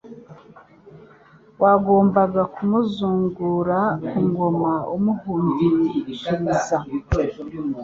wagombaga kumuzungura ku ngoma amuhungishiriza